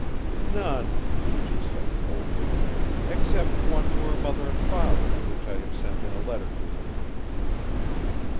'None,' she said coldly, 'except one to her mother and father, which I have sent in a letter to them.